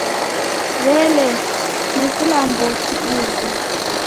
W'elee, ni vilamboki ivo?